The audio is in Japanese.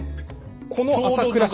この朝倉氏。